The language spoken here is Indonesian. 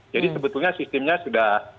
jadi sebetulnya sistemnya sudah